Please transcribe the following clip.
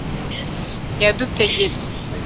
yadutegetse